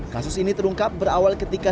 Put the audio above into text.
kasus ini terungkap berawal ketika